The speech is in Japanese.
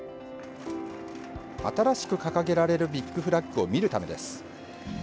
新しく掲げられるビッグフラッグを見るためです。